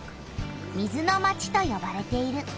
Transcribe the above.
水の町とよばれている。